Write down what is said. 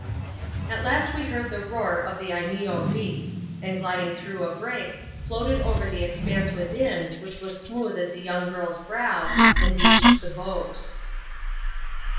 At last we heard the roar of the Lneeo reef; and gliding through a break, floated over the expanse within, which was smooth as a young girl's brow, and beached the boat.